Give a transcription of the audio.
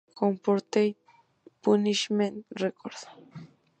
Corporate Punishment Record.